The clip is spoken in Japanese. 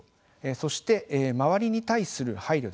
そして、周りに対する配慮です。